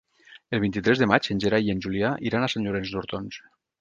El vint-i-tres de maig en Gerai i en Julià iran a Sant Llorenç d'Hortons.